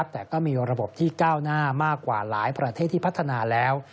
แต่ก็มีระบบที่ก้าวหน้ามากกว่าหลายประเทศที่พัฒนาแล้ว